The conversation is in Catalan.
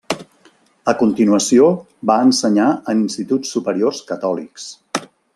A continuació va ensenyar en instituts superiors Catòlics.